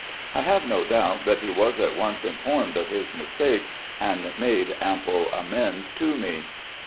I have no doubt that he was at once informed of his mistake and made ample amends to me.